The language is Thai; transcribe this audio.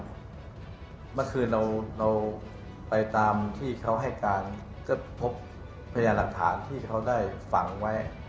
เมื่อคืนเราไปตามที่เขาให้การก็พบพยานหลักฐานที่เขาได้ฝังไว้